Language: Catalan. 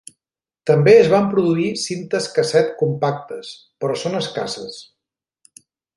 També es van produir cintes casset compactes, però són escasses.